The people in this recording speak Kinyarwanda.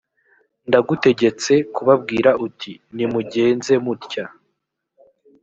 ndagutegetse kubabwira uti nimugenze mutya